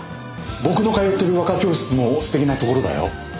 僕の通ってる和歌教室もすてきなところだよ。